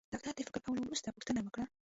ډاکټر د فکر کولو وروسته پوښتنه وکړه.